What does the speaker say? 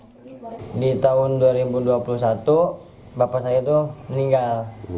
di tahun dua ribu dua puluh satu bapak saya itu meninggal